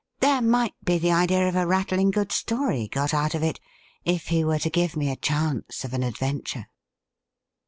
' There might be the idea of a rattling good story got out of it, if he were to give me a chance of an adventure.'